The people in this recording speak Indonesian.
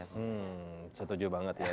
hmm setuju banget ya